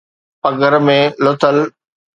پگهر ۾ لٿل